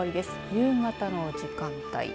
夕方の時間帯。